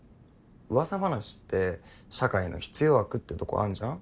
噂話って社会の必要悪ってとこあんじゃん。